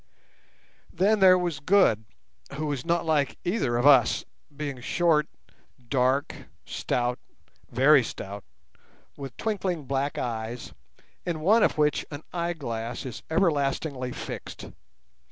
Then there was Good, who is not like either of us, being short, dark, stout—very stout—with twinkling black eyes, in one of which an eyeglass is everlastingly fixed.